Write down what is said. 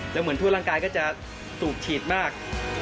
แล้วเหมือนทั่วร่างกายก็จะสูบฉีดมาก